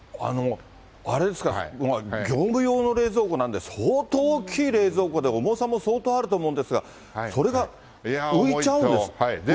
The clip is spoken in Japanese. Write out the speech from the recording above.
あれですか、業務用の冷蔵庫なんで、相当大きい冷蔵庫で重さも相当あると思うんですが、それが浮いちゃうんですか。